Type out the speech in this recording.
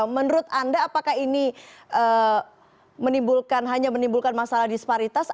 menurut anda apakah ini menimbulkan hanya menimbulkan masalah disparitas